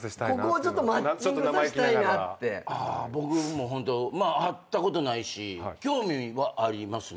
僕も会ったことないし興味はありますね。